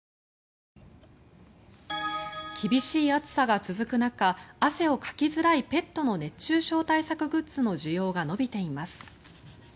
厳しい暑さが続く中汗をかきづらいペットの熱中症対策グッズの需要が伸びています。